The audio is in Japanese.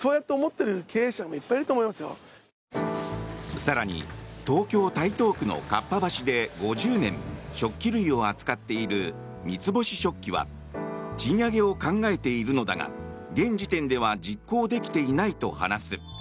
更に、東京・台東区の合羽橋で５０年、食器類を扱っている三ツ星食器は賃上げを考えているのだが現時点では実行できていないと話す。